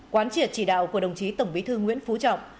quán triệt chỉ đạo của đồng chí tổng bí thư nguyễn phú trọng